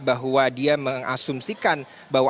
bahwa dia mengasumsikan bahwa